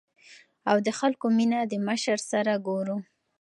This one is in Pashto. او د خلکو مينه د مشر سره ګورو ـ